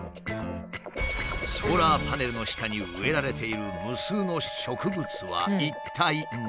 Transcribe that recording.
ソーラーパネルの下に植えられている無数の植物は一体何？